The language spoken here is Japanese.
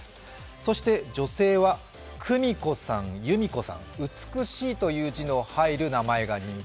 そして女性は久美子さん、由美子さん、美しいという字の入る名前が人気。